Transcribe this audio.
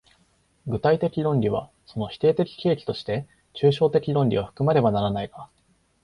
具体的論理はその否定的契機として抽象的論理を含まねばならないが、